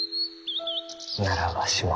ならわしも。